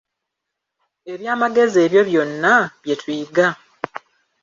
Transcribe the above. Ebyamagezi ebyo byonna, bye tuyiga.